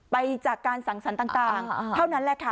ไปจากการสังสรรค์ต่างเท่านั้นแหละค่ะ